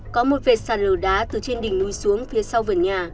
có một vệt sàn lở đá từ trên đỉnh núi xuống phía sau vườn nhà